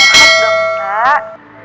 sehat dong mbak